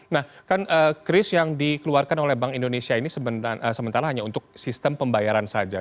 nah kan kris yang dikeluarkan oleh bank indonesia ini sementara hanya untuk sistem pembayaran saja